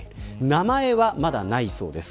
名前が、まだないそうです。